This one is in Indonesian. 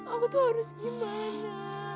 aku tuh harus gimana